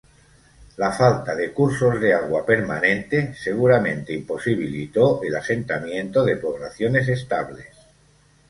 La falta de cursos de agua permanente seguramente imposibilitó el asentamiento de poblaciones estables.